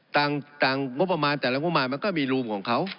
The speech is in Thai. ต่างงบประมาณแต่ละงบประมาณมันก็มีรูมของเขา